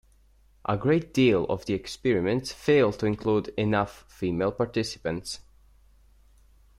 A great deal of the experiments fail to include enough female participants.